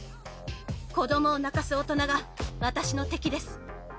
子どもを泣かす大人が私の敵です